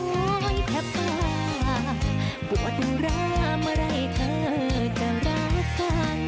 โค้ยแค่ปลาปวดร้ำอะไรเธอจะรักกัน